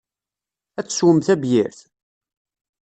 Ad teswem tabyirt?